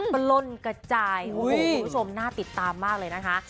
ปล้นกระจายโอ้โหคุณผู้ชมน่าติดตามมากเลยนะคะ